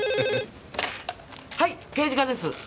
☎はい刑事課です